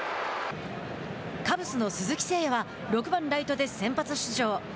カブスの鈴木誠也は６番・ライトで先発出場。